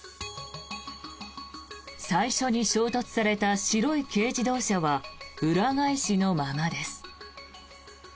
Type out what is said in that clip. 最初に衝突された白い軽自動車は裏返しのままです。